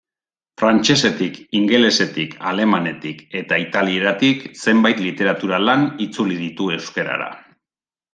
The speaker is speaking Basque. Frantsesetik, ingelesetik, alemanetik eta italieratik zenbait literatura-lan itzuli ditu euskarara.